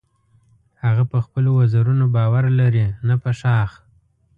هغه په خپلو وزرونو باور لري نه په شاخ.